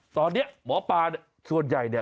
ตอนเนี้ยหมอปาส่วนใหญ่เนี่ย